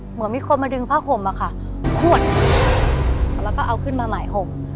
เหมือนมีคนมาดึงผ้าห่มอะค่ะขวดแล้วก็เอาขึ้นมาใหม่ห่ม